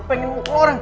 pengen mau keluar